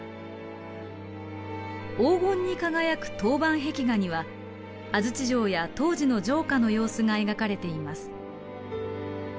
黄金に輝く陶板壁画には安土城や当時の城下の様子が描かれています。